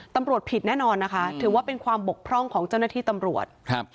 ตำรวจผิดแน่นอนนะคะถือว่าเป็นความบกพร่องของเจ้าหน้าที่ตำรวจครับ